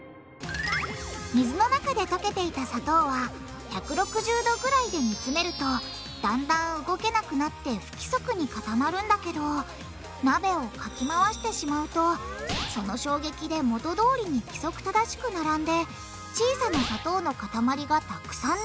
水の中で溶けていた砂糖は１６０℃ぐらいで煮つめるとだんだん動けなくなって不規則に固まるんだけど鍋をかきまわしてしまうとその衝撃で元どおりに規則正しく並んで小さな砂糖の塊がたくさんできてしまう。